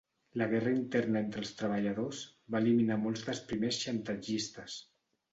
La guerra interna entre els treballadors va eliminar molts dels primers xantatgistes.